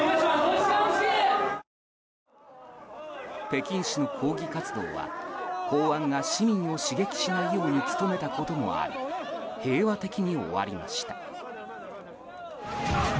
北京市の抗議活動は公安が市民を刺激しないように努めたこともあり平和的に終わりました。